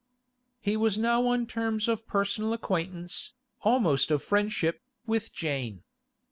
He was now on terms of personal acquaintance, almost of friendship, with Jane.